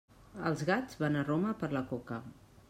Els gats van a Roma per la coca.